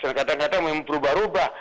dan kadang kadang memang berubah ubah